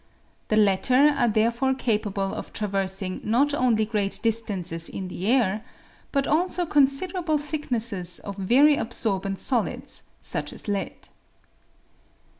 The latter are therefore capable of traversing not only great distances in the air, but also con siderable thicknesses of very absorbent solids, such as lead.